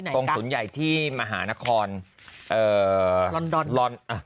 ตรงศูนย์ใหญ่ที่มหานครลอนดอน